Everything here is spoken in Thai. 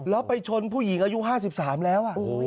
แล้วไปชนผู้หญิงอายุ๕๓แล้ว